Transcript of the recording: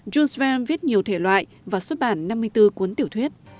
juseven viết nhiều thể loại và xuất bản năm mươi bốn cuốn tiểu thuyết